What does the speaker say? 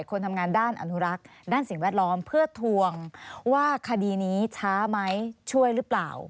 คนทำงานด้านอนุรักษ์ด้านสิ่งแวดล้อมเพื่อทวงว่าคดีนี้ช้าไหมช่วยหรือเปล่า